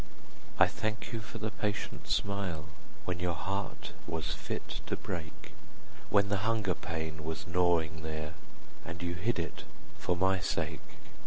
40 I thank you for the patient smile When your heart was fit to break, When the hunger pain was gnawin' there, And you hid it, for my sake!